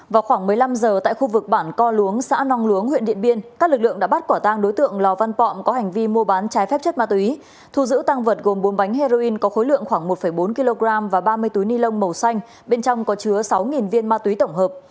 vào khoảng một mươi năm h tại khu vực bản co luống xã nong luống huyện điện biên các lực lượng đã bắt quả tang đối tượng lò văn pọng có hành vi mua bán trái phép chất ma túy thu giữ tăng vật gồm bốn bánh heroin có khối lượng khoảng một bốn kg và ba mươi túi ni lông màu xanh bên trong có chứa sáu viên ma túy tổng hợp